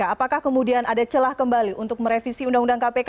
apakah kemudian ada celah kembali untuk merevisi undang undang kpk